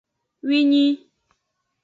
Winyi.